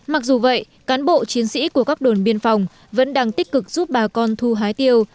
mặc dù vậy cán bộ chiến sĩ của các đồn biên phòng vẫn đang tích cực giúp bà con thu hái tiêu